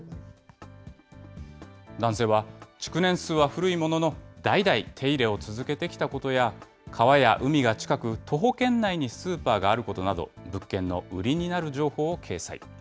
男性は、築年数は古いものの、代々、手入れを続けてきたことや、川や海が近く、徒歩圏内にスーパーがあることなど、物件の売りになる情報を掲載。